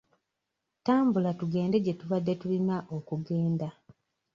Tambula tugende gye tubadde tulina okugenda.